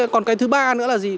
còn cái thứ ba nữa là gì